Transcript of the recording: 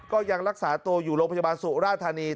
ก็ยังรักษาตัวอยู่โรงพยาบาลสุราธานี